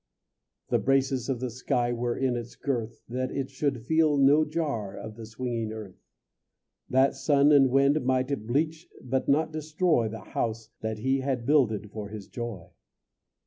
The braces of the sky Were in its girth, That it should feel no jar Of the swinging earth; That sun and wind might bleach But not destroy The house that he had builded For his joy.